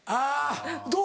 どう？